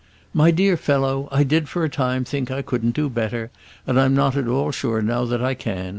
'My dear fellow, I did for a time think I couldn't do better, and I'm not at all sure now that I can.